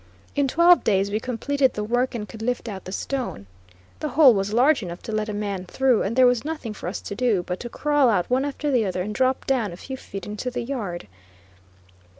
In twelve days we completed the work, and could lift out the stone. The hole was large enough to let a man through, and there was nothing for us to do but to crawl out one after the other and drop down a few feet into the yard.